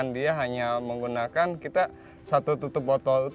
dia hanya menggunakan kita satu tutup botol